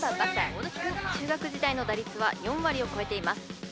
大貫くん中学時代の打率は４割を超えています